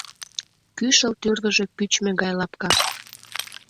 Кӱшыл тӱрвыжӧ пӱчмӧ гай лапка.